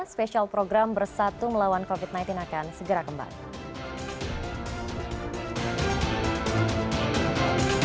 spesial program bersatu melawan covid sembilan belas akan segera kembali